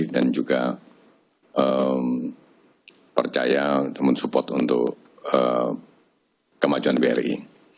dan juga percaya dan support untuk kemajuan bri